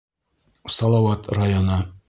Салауат районы.